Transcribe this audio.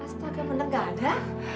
astaga bener nggak ada